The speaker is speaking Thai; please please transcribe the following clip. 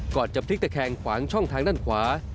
จะพลิกตะแคงขวางช่องทางด้านขวา